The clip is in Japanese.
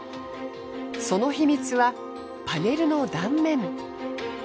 その秘密はパネルの断面。